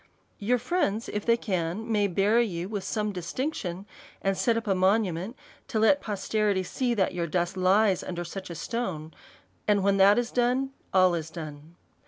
Your friends, if they can, may bury you with some distinction, and set up a monument to let posterity see that your dust lies under such a stone ; and when that is done, all is done.